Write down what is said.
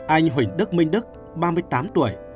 anh huỳnh đức minh đức ba mươi tám tuổi